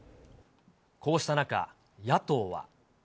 こうした中、野党は。